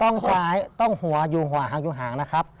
ต้องซ้ายต้องหัวอยู่หัวหางอยู่ห่างนะครับ